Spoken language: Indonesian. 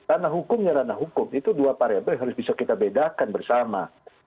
ranah hukumnya ranah hukum itu dua variabel yang harus bisa kita bedakan bersama